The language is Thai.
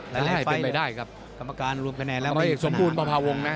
หลายไฟล์กรรมการรวมคะแนนแล้วมีขนาดรายละเอียดสมบูรณ์ประพาวงศ์นะ